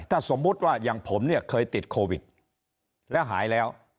ถ้าสมมุติว่าอย่างผมเนี่ยเคยติดโควิดแล้วหายแล้ว